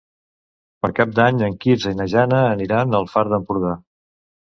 Per Cap d'Any en Quirze i na Jana aniran al Far d'Empordà.